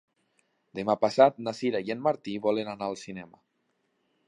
Demà passat na Sira i en Martí volen anar al cinema.